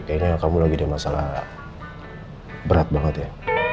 kayaknya kamu lagi ada masalah berat banget ya